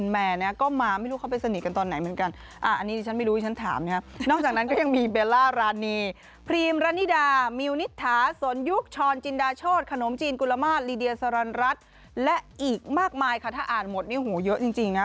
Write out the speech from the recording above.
ลีเดียสรรรรัสและอีกมากมายค่ะถ้าอ่านหมดนี่โหเยอะจริงจริงนะ